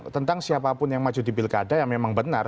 tentang siapapun yang maju di pilkada yang memang benar